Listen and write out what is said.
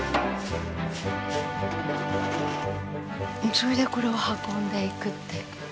それでこれを運んでいくって。